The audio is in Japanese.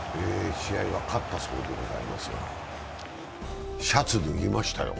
試合は勝ったそうでございますが、シャツ脱ぎましたよ。